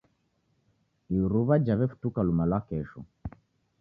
Iruwa jawefutuka luma lwa kesho.